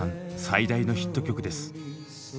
最大のヒット曲です。